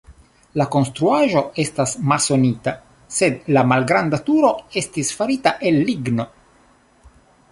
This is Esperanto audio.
La konstruaĵo estas masonita, sed la malgranda turo estis farita el ligno.